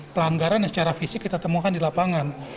pelanggaran yang secara fisik kita temukan di lapangan